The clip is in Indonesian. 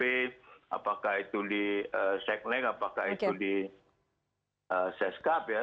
apakah itu di seknek apakah itu di sescap ya